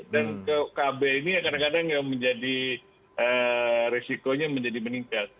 dan ke abai ini ya kadang kadang yang menjadi risikonya menjadi meningkat